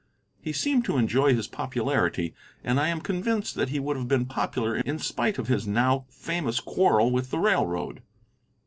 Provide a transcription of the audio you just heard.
He seemed to enjoy his popularity, and I am convinced that he would have been popular in spite of his now famous quarrel with the railroad.